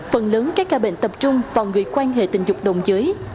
phần lớn các ca bệnh tập trung vào người quan hệ tình dục đồng giới